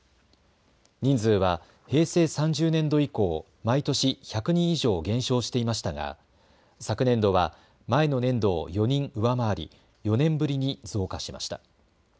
人数は平成３０年度以降、毎年１００人以上減少していましたが昨年度は前の年度を４人上回り４年ぶりに増加しました。